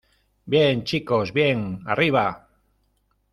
¡ bien, chicos , bien! ¡ arriba !